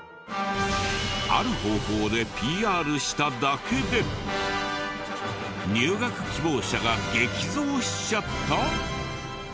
ある方法でＰＲしただけで入学希望者が激増しちゃった！？